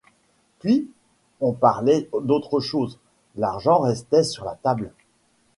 Puis, on parlait d’autre chose, l’argent restait sur la table.